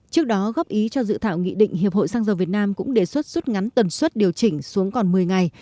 trước đó góp ý cho dự thảo nghị định hiệp hội xăng dầu việt nam cũng đề xuất rút ngắn tần suất điều chỉnh xuống còn một mươi ngày